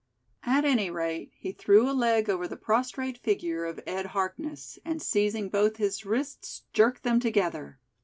At any rate, he threw a leg over the prostrate figure of Ed Harkness, and seizing both his wrists, jerked them together.